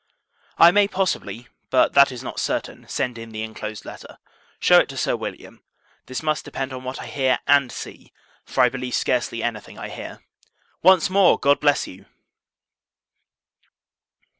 I may possibly, but that is not certain, send in the inclosed letter. Shew it to Sir William. This must depend on what I hear and see; for I believe scarcely any thing I hear. Once more, God bless you!